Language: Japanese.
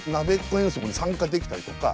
遠足に参加できたりとか。